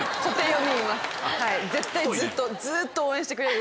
絶対ずっとずっと応援してくれる。